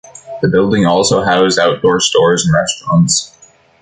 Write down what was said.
The building also housed outdoor stores and restaurants.